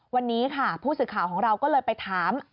วันนี้ค่ะผู้สื่อข่าวของเราก็เลยไปถาม